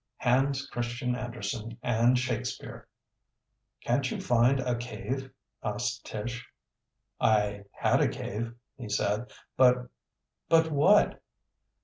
Hans Christian Andersen and Shakespeare! "Can't you find a cave?" asked Tish. "I had a cave," he said, "but " "But what?"